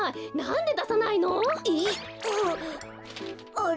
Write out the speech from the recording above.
あれ？